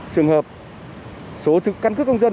trường hợp số cân cướp công dân